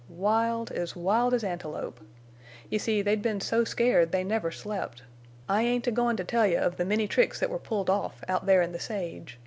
Wild—as wild as antelope! You see, they'd been so scared they never slept. I ain't a goin' to tell you of the many tricks that were pulled off out there in the sage.